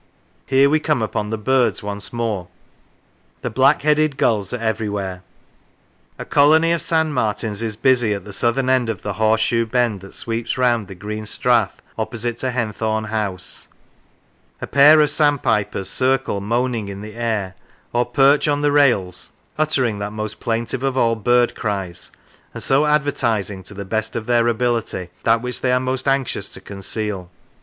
Here we come upon the birds once more. The black headed gulls are everywhere. A colony of sand martins is busy at the southern end of the horseshoe bend that sweeps round the green strath opposite to Hen thorn House; a pair of sandpipers circle moaning in the air, or perch on the rails, uttering that most plaintive of all bird cries, and so advertising, to the best of their ability, that which they are most anxious to conceal.